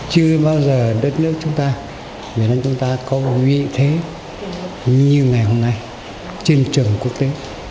chưa bao giờ đất nước chúng ta việt nam chúng ta có nguyện thế như ngày hôm nay trên trường quốc tế